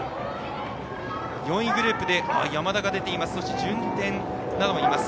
４位グループで山田が出ています。